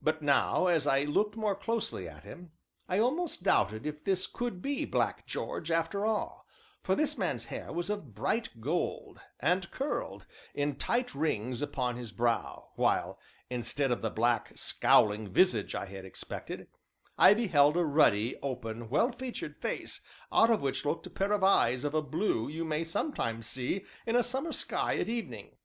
But now, as I looked more closely at him, I almost doubted if this could be Black George, after all, for this man's hair was of a bright gold, and curled in tight rings upon his brow, while, instead of the black, scowling visage I had expected, I beheld a ruddy, open, well featured face out of which looked a pair of eyes of a blue you may sometimes see in a summer sky at evening.